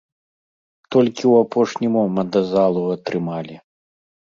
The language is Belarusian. Толькі ў апошні момант залу атрымалі.